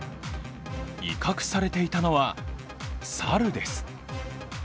威嚇されていたのは猿です。